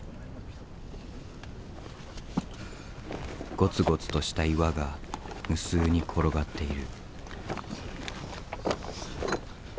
ごつごつとした岩が無数に転がっている。